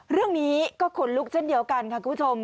เรื่องนี้ก็ขนลุกเช่นเดียวกันค่ะคุณผู้ชม